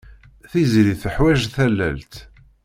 Tiziri teḥwaj tallalt.